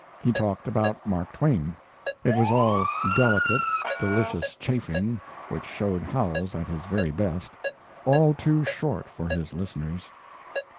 He talked about Mark Twain. It was all delicate, delicious chaffing which showed Howells at his very best all too short for his listeners.